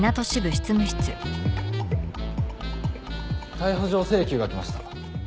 逮捕状請求が来ました。